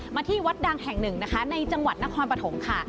ที่วัดดังแห่งหนึ่งนะคะในจังหวัดนครปฐมค่ะ